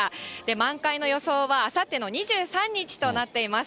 満開の予想は、あさっての２３日となっています。